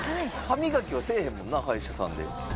歯磨きはせえへんもんな歯医者さんで。